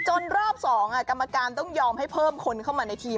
รอบ๒กรรมการต้องยอมให้เพิ่มคนเข้ามาในทีม